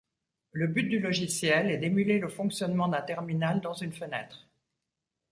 Le but du logiciel est d'émuler le fonctionnement d'un terminal dans une fenêtre.